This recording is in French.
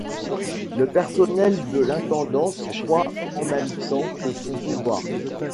Le personnel de l'intendance croît en même temps que son pouvoir.